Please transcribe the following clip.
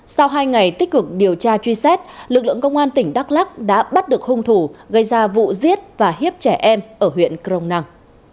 sau hai ngày tích cực điều tra truy xét lực lượng công an tỉnh đắk lắc đã bắt được hung thủ gây ra vụ giết và hiếp trẻ em ở huyện crong năng